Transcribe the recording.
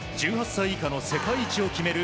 １８歳以下の世界一を決める